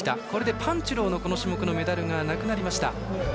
これでパンテュローのこの種目のメダルなくなりました。